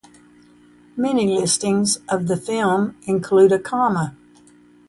Many listings of the film include a comma.